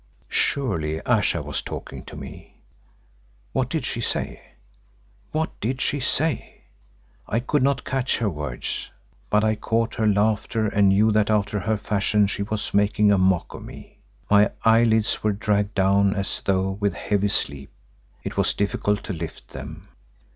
Surely Ayesha was talking to me! What did she say? What did she say? I could not catch her words, but I caught her laughter and knew that after her fashion she was making a mock of me. My eyelids were dragged down as though with heavy sleep; it was difficult to lift them.